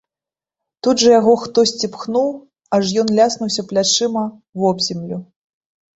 Тут жа яго хтосьці пхнуў, аж ён ляснуўся плячыма вобземлю.